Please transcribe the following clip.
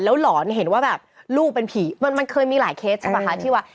แล้วหลอนเห็นว่าแบบลูกเป็นผีมันเคยมีหลายเคสใช่ป่ะคะ